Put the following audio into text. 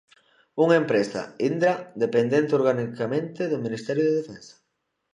Unha empresa, Indra, dependente organicamente do Ministerio de Defensa.